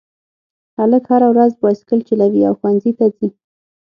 هلک هره ورځ بایسکل چلوي او ښوونځي ته ځي